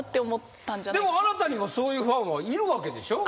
でもあなたにもそういうファンはいるわけでしょ？